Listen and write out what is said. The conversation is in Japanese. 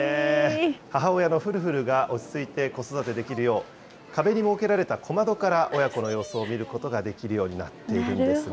母親のフルフルが落ち着いて子育てできるよう、壁に設けられた小窓から親子の様子を見ることができるようになっているんですね。